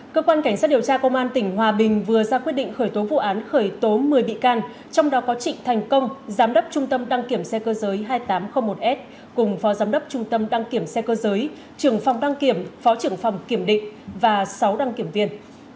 cơ quan cảnh sát điều tra công an tỉnh hòa bình vừa ra quyết định khởi tố vụ án khởi tố một mươi bị can trong đó có trịnh thành công giám đốc trung tâm đăng kiểm xe cơ giới hai nghìn tám trăm linh một s cùng phó giám đốc trung tâm đăng kiểm xe cơ giới trưởng phòng đăng kiểm phó trưởng phòng kiểm định và sáu đăng kiểm viên